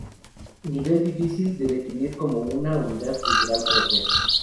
Nivel difícil de definir como una unidad cultural propia.